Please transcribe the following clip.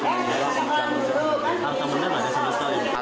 baju saya nggak selamat